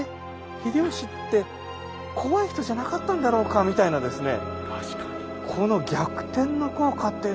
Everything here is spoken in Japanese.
秀吉って怖い人じゃなかったんだろうか」みたいなですね